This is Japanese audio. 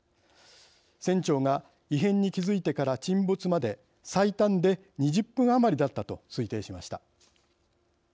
船長が異変に気づいてから沈没まで最短で２０分余りだったと推定しました。